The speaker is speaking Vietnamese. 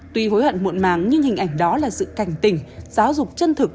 tuy hối hận muộn máng nhưng hình ảnh đó là sự cảnh tình giáo dục chân thực